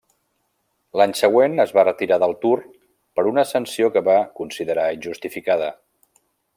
L'any següent es va retirar del Tour per una sanció que va considerar injustificada.